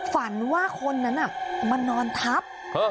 ฝันว่าคนนั้นมานอนทับ